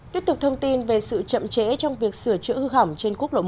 tiếp tục thông tin về sự chậm chế trong việc sửa chữa hư hỏng trên quốc lộ một